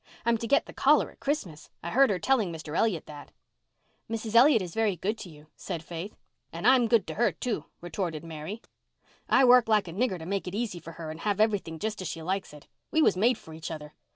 I'm to get the collar at Christmas. I heard her telling Mr. Elliott that." "Mrs. Elliott is very good to you," said Faith. "You bet she is. And I'm good to her, too," retorted Mary. "I work like a nigger to make it easy for her and have everything just as she likes it. We was made for each other.